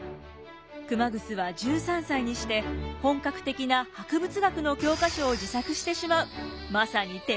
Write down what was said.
熊楠は１３歳にして本格的な博物学の教科書を自作してしまうまさに天才でした。